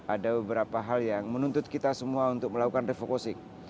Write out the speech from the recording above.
ada beberapa hal yang menuntut kita semua untuk melakukan refocusing